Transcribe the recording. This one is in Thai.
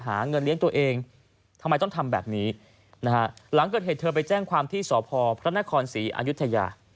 หาเงินเลี้ยงตัวเองทำไมต้องทำแบบนี้นะฮะหลังเกิดเหตุเธอไปแจ้งความที่สพพระนครศรีอายุทยา